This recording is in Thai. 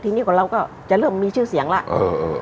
ทีนี้ของเราก็จะเริ่มมีชื่อเสียงแล้ว